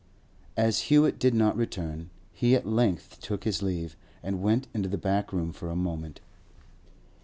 As Hewett did not return, he at length took his leave, and went into the back room for a moment.